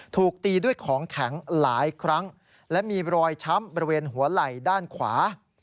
ถูกตีด้วยของแข็งหลายครั้งและมีรอยช้ำบริเวณหัวไหล่ด้านขวา